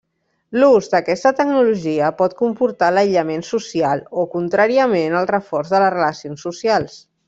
L'ús d'aquesta tecnologia pot comportar l'aïllament social o, contràriament, el reforç de les relacions socials.